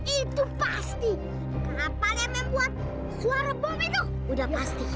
itu pasti kapal yang membuat suara bom itu udah pasti